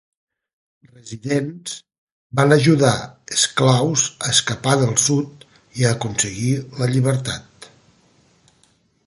Residents van ajudar esclaus a escapar del Sud i a aconseguir la llibertat.